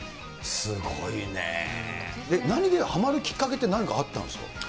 何で、はまるきっかけって何かあったんですか？